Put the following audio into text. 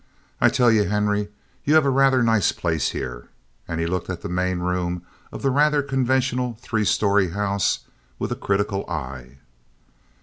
"I tell you, Henry, you have a rather nice place here." And he looked at the main room of the rather conventional three story house with a critical eye.